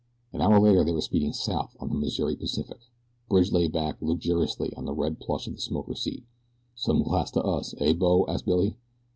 An hour later they were speeding south on the Missouri Pacific. Bridge lay back, luxuriously, on the red plush of the smoker seat. "Some class to us, eh, bo?" asked Billy.